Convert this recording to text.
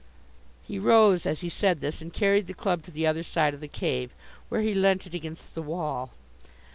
He rose as he said this and carried the club to the other side of the cave, where he leant it against the wall.